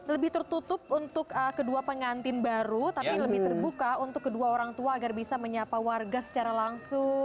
lebih tertutup untuk kedua pengantin baru tapi lebih terbuka untuk kedua orang tua agar bisa menyapa warga secara langsung